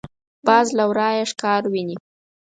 باز له ورايه ښکار ویني